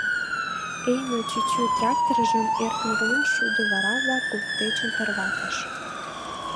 Эйно чӱчӱ тракторжым эркын гына шудо вара-влак воктечын тарватыш.